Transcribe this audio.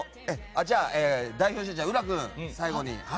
じゃあ、代表して浦君最後に。